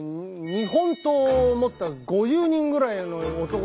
日本刀を持った５０人ぐらいの男に囲まれてね